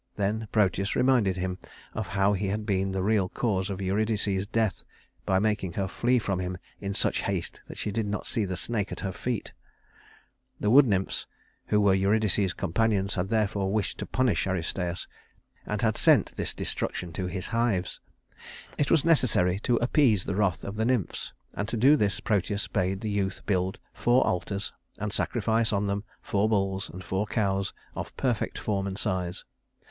Then Proteus reminded him of how he had been the real cause of Eurydice's death, by making her flee from him in such haste that she did not see the snake at her feet. The wood nymphs, who were Eurydice's companions, had therefore wished to punish Aristæus, and had sent this destruction to his hives. It was necessary to appease the wrath of the nymphs; and to do this Proteus bade the youth build four altars, and sacrifice on them four bulls and four cows of perfect form and size.